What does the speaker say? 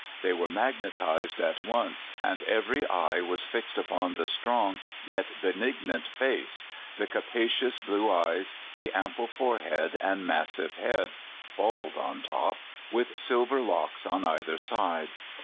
They were magnetized at once, and every eye was fixed upon the strong yet benignant face, the capacious blue eyes, the ample forehead, and massive head, bald on top, with silver locks on either side.